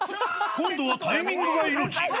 今度はタイミングが命。